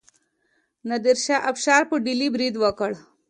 نادر شاه افشار په ډیلي برید وکړ.